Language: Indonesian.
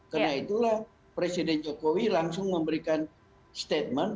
karena itulah presiden jokowi langsung memberikan statement